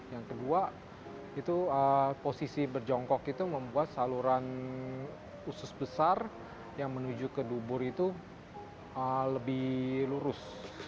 yang kedua itu posisi berjongkok itu membuat saluran usus besar yang menuju ke dubur itu lebih lurus